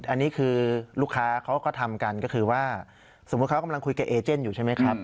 อันนี้คือลูกค้าเขาก็ทำกันก็คือว่าสมมุติเขากำลังคุยกับเอเจนอยู่ใช่ไหมครับ